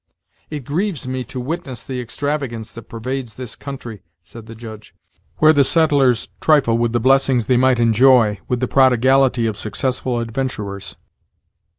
"It grieves me to witness the extravagance that pervades this country," said the Judge, "where the settlers trifle with the blessings they might enjoy, with the prodigality of successful adventurers.